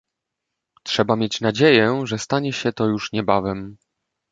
Trzeba mieć nadzieję, że stanie się to już niebawem